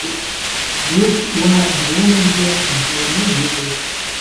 Урҭ уа наунагӡа инхараны иҟоуп.